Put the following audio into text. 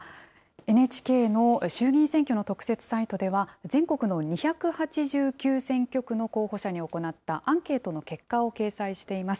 ＮＨＫの衆議院選挙の特設サイトでは、全国の２８９選挙区の候補者に行ったアンケートの結果を掲載しています。